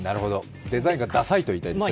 デザインがダサいといいたいんですね。